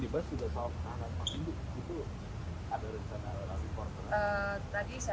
kita akan terus berusaha